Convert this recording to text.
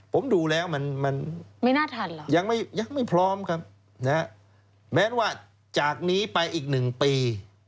ผมดูแล้วมันยังไม่พร้อมครับแม้ว่าจากนี้ไปอีกหนึ่งปี